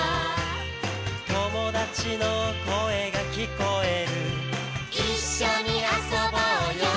「友達の声が聞こえる」「一緒に遊ぼうよ」